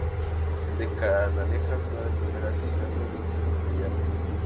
El de Canalejas no era el primer asesinato de un jefe de gobierno.